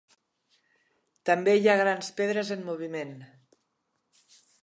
També hi ha grans pedres en moviment.